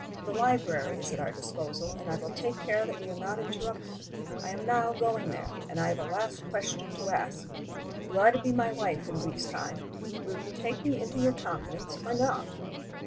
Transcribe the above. The library is at our disposal, and I will take care that we are not interrupted. I am now going there, and I have a last question to ask. You are to be my wife in a week's time: will you take me into your confidence or not?"